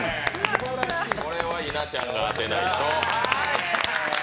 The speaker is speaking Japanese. これは稲ちゃんが当てないと。